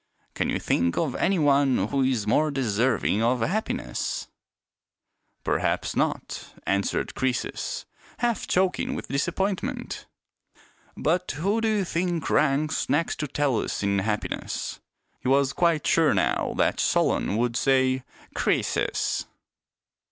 Can you think of any one who is more deserving of happiness ?"" Perhaps not," answered Croesus, half choking with disappointment. " But who do you think ranks next to Tellus in happiness ?" He was quite sure now that Solon would say " Crcesus."